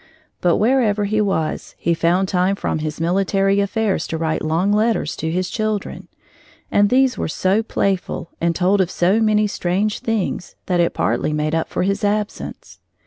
But wherever he was, he found time from his military affairs to write long letters to his children, and these were so playful and told of so many strange things that it partly made up for his absence.